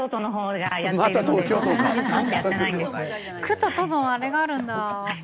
区と都のあれがあるんだ。